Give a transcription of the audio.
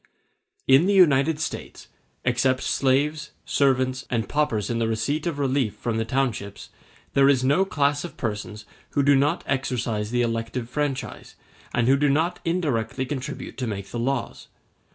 In the United States, except slaves, servants, and paupers in the receipt of relief from the townships, there is no class of persons who do not exercise the elective franchise, and who do not indirectly contribute to make the laws.